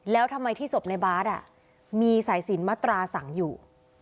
แล้วทำไมที่ศพในบาสมีสายสินมัตราสังอยู่